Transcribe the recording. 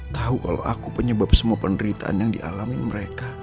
tahu kalau aku penyebab semua penderitaan yang dialami mereka